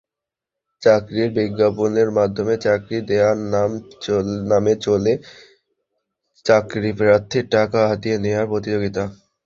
চাকরির বিজ্ঞাপনের মাধ্যমে চাকরি দেওয়ার নামে চলে চাকরিপ্রার্থীর টাকা হাতিয়ে নেওয়ার প্রতিযোগিতা।